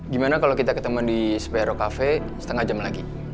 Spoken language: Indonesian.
gimana kalau kita ketemu di sphero cafe setengah jam lagi